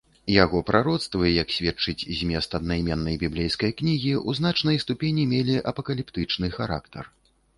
Яго прароцтвы, як сведчыць змест аднайменнай біблейскай кнігі, у значнай ступені мелі апакаліптычны характар.